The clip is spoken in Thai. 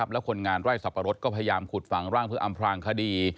แล้วคนงานไร่สับปะรดก็พยายามขุดฝังร่างเพื่ออำพลางคดี